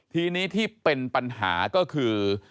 ทีนี้ที่เป็นปัญหาก็คือ